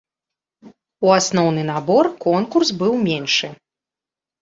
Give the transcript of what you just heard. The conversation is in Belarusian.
У асноўны набор конкурс быў меншы.